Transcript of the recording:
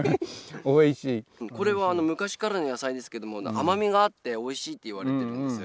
これは昔からの野菜ですけども甘みがあっておいしいって言われてるんです。